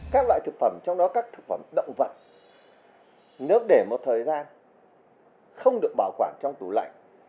các loại thực phẩm trong đó các thực phẩm động vật nếu để một thời gian không được bảo quản trong tủ lạnh